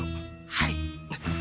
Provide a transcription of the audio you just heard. はい。